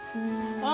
あ！